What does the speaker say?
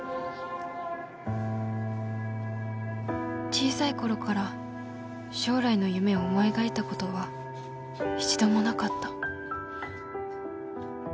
小さい頃から将来の夢を思い描いたことはただガタッ！